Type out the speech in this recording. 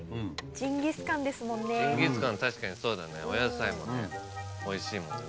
ジンギスカン確かにそうだねお野菜もねおいしいもんね。